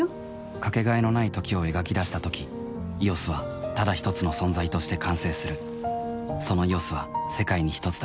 かけがえのない「時」を描き出したとき「ＥＯＳ」はただひとつの存在として完成するその「ＥＯＳ」は世界にひとつだ